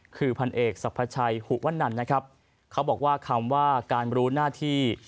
คือพันเอกสรรพชัยหุวนันนะครับเขาบอกว่าคำว่าการรู้หน้าที่